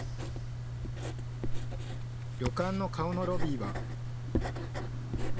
旅館の顔のロビーは。